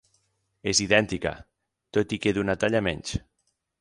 És idèntica, tot i que d'una talla menys.